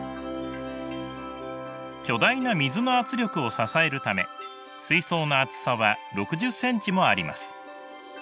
巨大な水の圧力を支えるため水槽の厚さは６０ｃｍもあります。